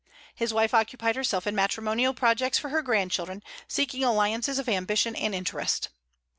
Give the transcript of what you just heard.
His wife occupied herself in matrimonial projects for her grandchildren, seeking alliances of ambition and interest.